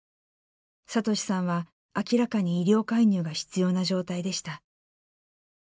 聡士さんは明らかに医療介入が必要な状態でした。